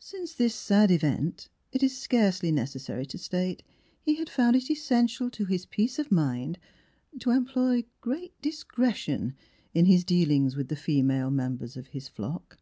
Since this sad event, it is scarcely necessary to state, he 58 Miss Phihira had found it essential to his peace of mind to employ great discretion in his dealings with the female members of his flock.